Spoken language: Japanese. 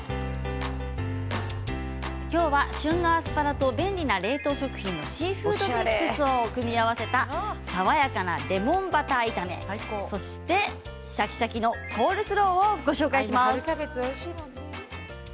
今日は旬のアスパラと便利な冷凍食品シーフードミックスを組み合わせた爽やかなレモンバター炒めとシャキシャキのコールスローをご紹介します。